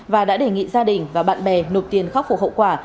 và đã đề nghị gia đình và bạn bè nộp tiền khắc phục hậu quả